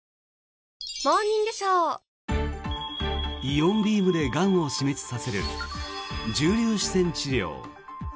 イオンビームでがんを死滅させる重粒子線治療。